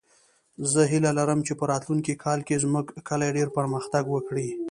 زه هیله لرم چې په راتلونکې کال کې زموږ کلی ډېر پرمختګ وکړي